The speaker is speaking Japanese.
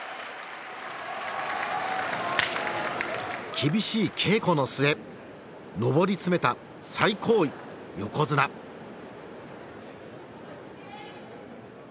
厳しい稽古の末上り詰めた最高位横綱。よいしょ！